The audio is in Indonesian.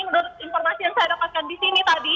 menurut informasi yang saya dapatkan di sini tadi